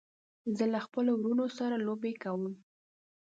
زه له خپلو وروڼو سره لوبې کوم.